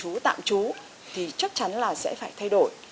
chú tạm trú thì chắc chắn là sẽ phải thay đổi